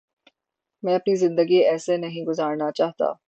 میں اپنی زندگی ایسے نہیں گزارنا چاہتا۔